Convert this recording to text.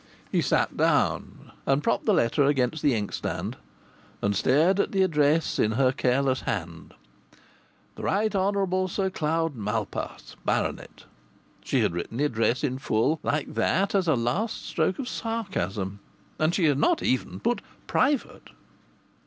He sat down and propped the letter against the inkstand and stared at the address in her careless hand: "The Right Honourable Sir Cloud Malpas, Baronet." She had written the address in full like that as a last stroke of sarcasm. And she had not even put "Private."